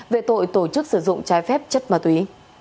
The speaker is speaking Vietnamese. về tội tổ chức sử dụng trái phép chất ma túy